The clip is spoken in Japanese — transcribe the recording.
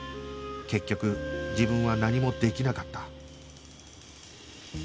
結局自分は何もできなかった